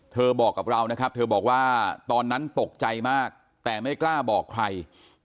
บอกกับเรานะครับเธอบอกว่าตอนนั้นตกใจมากแต่ไม่กล้าบอกใคร